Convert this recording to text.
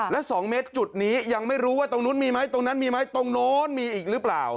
และ๒เมตรจุดนี้ยังไม่รู้ว่าตรงนู้นมีไหมตรงนั้นมีไหมตรงโน้นมีอีกหรือเปล่า